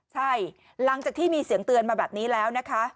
ใช่หลังจากที่มีเสียงเตือนมาแบบนี้แล้วนะคะ